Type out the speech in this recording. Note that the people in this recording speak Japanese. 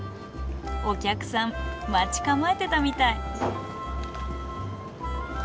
お客さん待ち構えてたみたい。